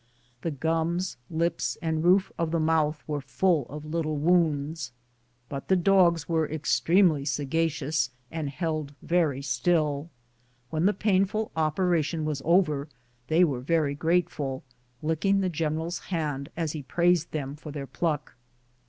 The gums, lips, and roof of the mouth were full of little wounds, but the dogs were extremely sagacious and held very still. When the painful operation was over they were very grateful, licking the general's hand as he praised them for their pluck.